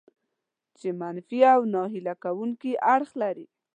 چې منفي او ناهیله کوونکي اړخ لري.